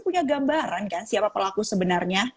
punya gambaran kan siapa pelaku sebenarnya